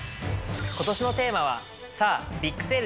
今年のテーマは。